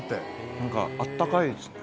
なんかあったかいですね。